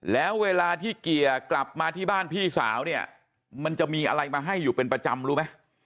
แล้วเวลาที่เกียร์กลับมาที่บ้านพี่สาวเนี่ยมันจะมีอะไรมาให้อยู่เป็นประจำรู้ไหม